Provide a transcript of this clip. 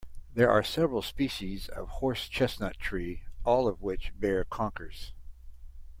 There are several species of horse chestnut tree, all of which bear conkers